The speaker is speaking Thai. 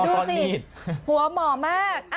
ดูสิหัวหมอมาก